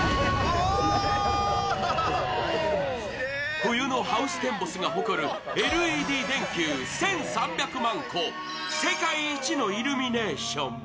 冬のハウステンボスが誇るＬＥＤ電球１３００万個、世界一のイルミネーション。